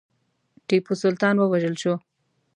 ټیپو سلطان ووژل شو.